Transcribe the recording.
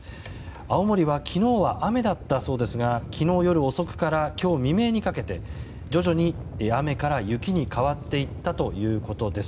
青森は昨日は雨だったそうですが昨日夜遅くから今日未明にかけて徐々に雨から雪に変わっていったということです。